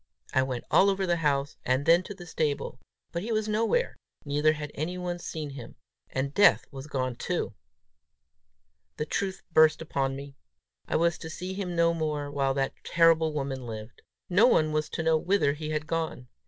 I went all over the house, and then to the stable; but he was nowhere, neither had anyone seen him. And Death was gone too! The truth burst upon me: I was to see him no more while that terrible woman lived! No one was to know whither he had gone!